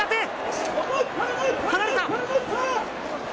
離れた。